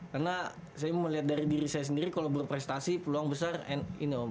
karena saya melihat dari diri saya sendiri kalau berprestasi peluang besar ini om